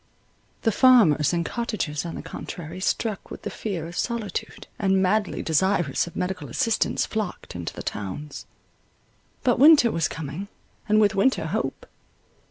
The farmers and cottagers, on the contrary, struck with the fear of solitude, and madly desirous of medical assistance, flocked into the towns. But winter was coming, and with winter, hope.